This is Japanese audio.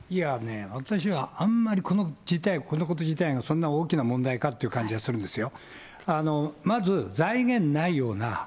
私はあんまりこのこと自体がそんな大きな問題かっていう感じがするんですよ。